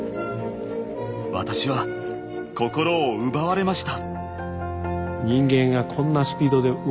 私は心を奪われました。